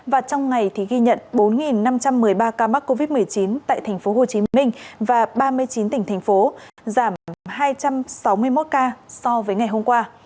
và trong ngày thì ghi nhận bốn năm trăm một mươi ba ca mắc covid một mươi chín tại tp hcm và ba mươi chín tỉnh thành phố giảm hai trăm sáu mươi một ca so với ngày hôm qua